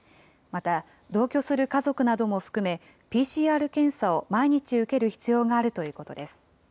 また、同居する家族なども含め、ＰＣＲ検査を毎日受ける必要があるということです。